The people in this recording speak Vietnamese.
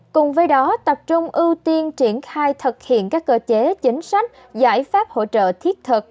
cùng với đó tập trung ưu tiên triển khai thực hiện các cơ chế chính sách giải pháp hỗ trợ thiết thực